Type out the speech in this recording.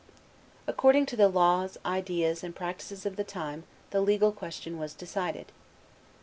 According to the laws, ideas, and practices of the time the legal question was decided.